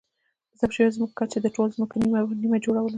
د ضبط شویو ځمکو کچې د ټولو ځمکو نییمه جوړوله